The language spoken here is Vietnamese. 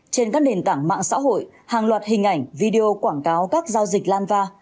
trên các nền tảng mạng xã hội hàng loạt hình ảnh video quảng cáo các giao dịch lanva